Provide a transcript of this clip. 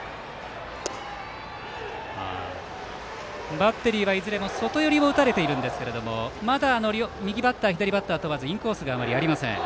バッテリーは、いずれも外寄りを打たれていますがまだ右バッター左バッター問わずインコースがあまりありません。